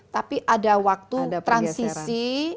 tapi ada waktu transisi